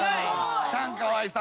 チャンカワイさんとかね。